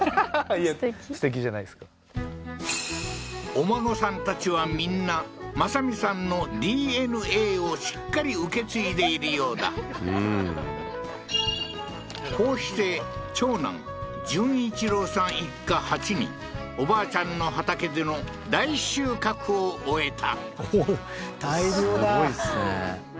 お孫さんたちはみんな正美さんのＤＮＡをしっかり受け継いでいるようだうんこうして長男淳一郎さん一家８人おばあちゃんの畑での大収穫を終えたおお大量だすごいですね